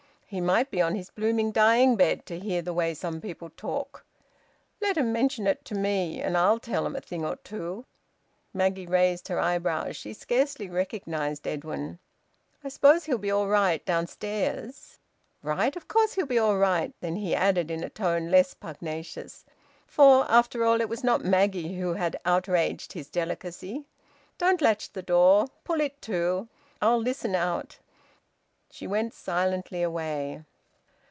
... He might be on his blooming dying bed, to hear the way some people talk! Let 'em mention it to me, and I'll tell 'em a thing or two!" Maggie raised her eyebrows. She scarcely recognised Edwin. "I suppose he'll be all right, downstairs?" "Right? Of course he'll be all right!" Then he added, in a tone less pugnacious for, after all, it was not Maggie who had outraged his delicacy, "Don't latch the door. Pull it to. I'll listen out." She went silently away.